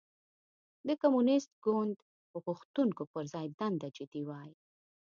د کمونېست ګوند غوښتنو پر ځای دنده جدي وای.